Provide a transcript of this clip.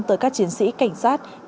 tới các chiến sĩ cảnh sát